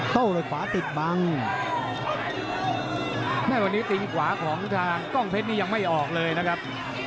ด้วยขวาติดบังแม่วันนี้ตีนขวาของทางกล้องเพชรนี่ยังไม่ออกเลยนะครับ